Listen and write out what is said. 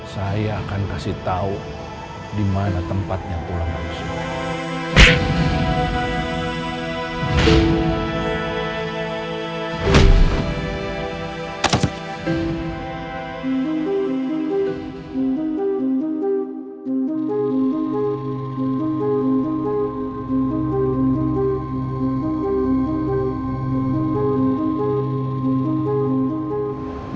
saya akan kasih tahu dimana tempatnya tulang rusuk